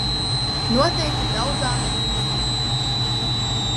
Noteikti daudzām ir līdzīgi.